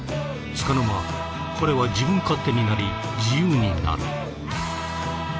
つかの間彼は自分勝手になり自由になる。